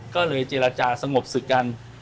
ก็เลยเจรจาสงบสึกกัน